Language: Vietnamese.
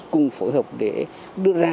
cùng phù hợp để đưa ra